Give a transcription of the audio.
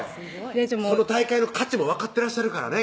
その大会の価値も分かってらっしゃるからね